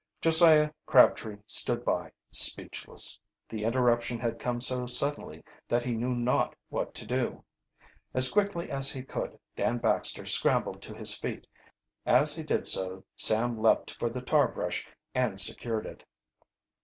Josiah Crabtree stood by, speechless. The interruption had come so suddenly that he knew not what to do. As quickly as he could Dan Baxter scrambled to his feet. As he did so Sam leaped for the tar brush and secured it.